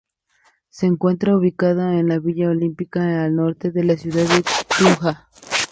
Se encuentra ubicado en la Villa Olímpica al norte de la ciudad de Tunja.